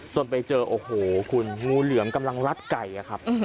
จนไปเจอโอ้โหคุณงูเหลือมกำลังรัดไก่อะครับ